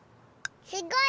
すごい！